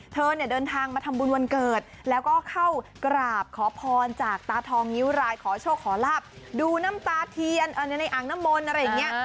เธอเนี่ยเดินทางมาทำบุญวันเกิดแล้วก็เข้ากราบขอพรจากตาทองนิ้วรายขอโชคขอลาบดูน้ำตาเทียนในอ่างน้ำมนต์อะไรอย่างนี้